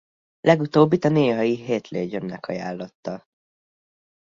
Legutóbbit a néhai Heath Ledgernek ajánlotta.